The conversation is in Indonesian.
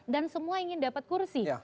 dan semua ingin dapat kursi